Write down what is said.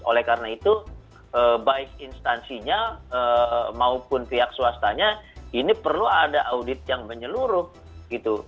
oleh karena itu baik instansinya maupun pihak swastanya ini perlu ada audit yang menyeluruh gitu